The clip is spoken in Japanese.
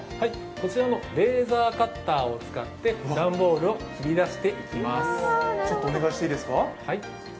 こちらのレーザーカッターを使って段ボールを切り出していきます。